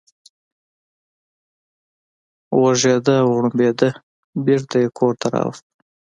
غوږېده او غړمبېده، بېرته یې کور ته راوست.